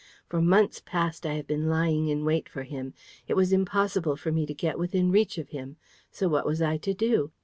For months past, I have been lying in wait for him. It was impossible for me to get within reach of him. So what was I to do?